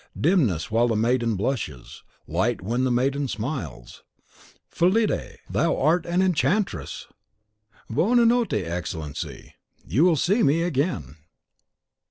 Dimness while the maiden blushes; light when the maiden smiles. "Fillide, thou art an enchantress!" "Buona notte, Excellency; you will see me again!"